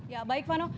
ya baik fano